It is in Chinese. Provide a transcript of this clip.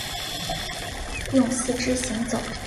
用四肢行走。